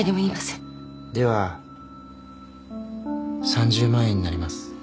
では３０万円になります。